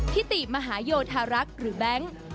ติมหาโยธารักษ์หรือแบงค์